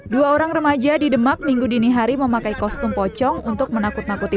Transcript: dua orang remaja di demak minggu dini hari memakai kostum pocong untuk menakut nakuti